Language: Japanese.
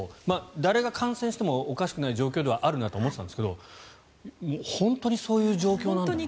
誰が感染してもおかしくない状況ではあるなと思っていたんですが本当にそういう状況なんだなと。